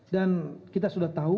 dan kita sudah tahu